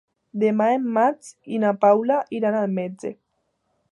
Demà en Max i na Paula iran al metge.